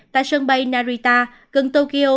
tại sân bay narita gần tokyo